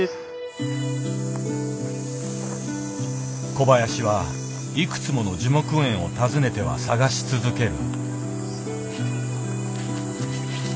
小林はいくつもの樹木園を訪ねては探し続ける。